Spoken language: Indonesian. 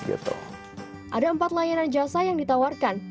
ada empat layanan jasa yang ditawarkan